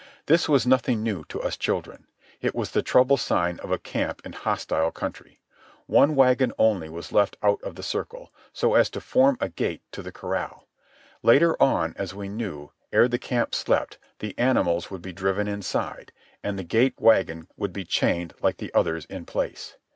This was nothing new to us children. It was the trouble sign of a camp in hostile country. One wagon only was left out of the circle, so as to form a gate to the corral. Later on, as we knew, ere the camp slept, the animals would be driven inside, and the gate wagon would be chained like the others in place.